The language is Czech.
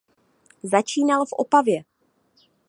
Začínal v Opavě.